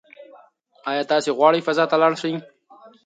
ایا تاسي غواړئ فضا ته لاړ شئ؟